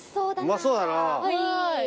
うまそうだな。